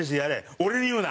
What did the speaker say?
俺に言うな！